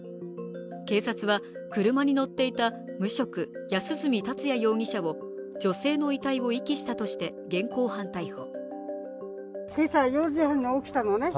警察は、車に乗っていた無職・安栖達也容疑者を女性の遺体を遺棄したとして現行犯逮捕。